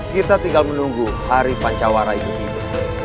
kita tinggal menunggu hari pancawara ibu tiba